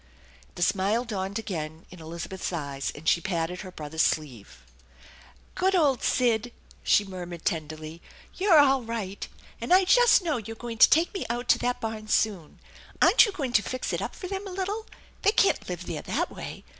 The smile dawned again in Elizabeth's yes, and she patted aer brother's sleeve. 86 THE ENCHANTED BARN " Good old Sid !" she murmured tenderly. " You're all right. And I just know you're going to take me out to that barn soon. Aren't you going to fix it up for them a little? They can't live there that way.